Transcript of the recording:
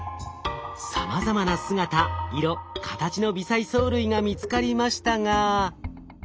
さまざまな姿色形の微細藻類が見つかりましたが。